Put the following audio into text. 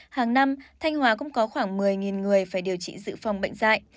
hàng năm thanh hóa cũng có khoảng một mươi người phải điều trị dự phòng bệnh dạy